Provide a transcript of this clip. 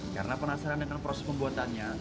karena penasaran dengan proses pembuatannya